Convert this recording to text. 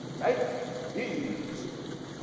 BLANK LEAVES. For No.